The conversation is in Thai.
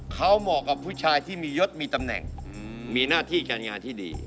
เขาเหมาะกับผู้ชายที่มียศมีตำแหน่งมีหน้าที่การงานที่ดี